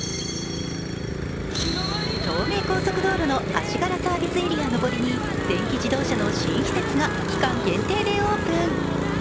東名高速道路の足柄サービスエリア上りに電気自動車の新施設が期間限定でオープン。